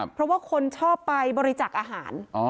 เพราะว่าคนชอบไปบริจาคอาหาร